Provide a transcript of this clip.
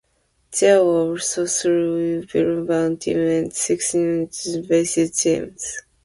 There were also three European teams and six United States-based teams.